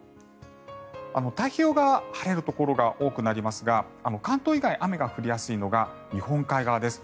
太平洋は晴れるところが多くなりますが関東以外、雨が降りやすいのが日本海側です。